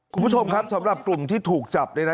คุณผู้ชมครับสำหรับกลุ่มที่ถูกจับเนี่ยนะ